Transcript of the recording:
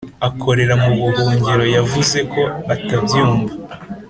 akorera mu buhungiro, yavuze ko ata byumva